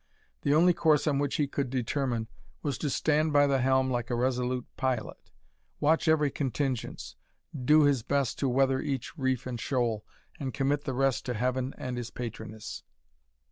The only course on which he could determine, was to stand by the helm like a resolute pilot, watch every contingence, do his best to weather each reef and shoal, and commit the rest to heaven and his patroness.